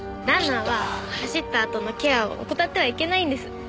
ランナーは走ったあとのケアを怠ってはいけないんです。